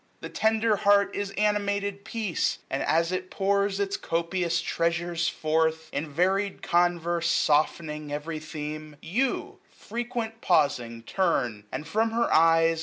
The tender heart is animated peace ; And as it pours its copious treasures forth, In varied converse, softening every theme j 940 You, frequent pausing, turn, and from her eyes.